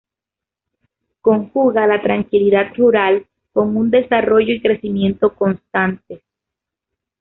Conjuga la tranquilidad rural con un desarrollo y crecimiento constantes.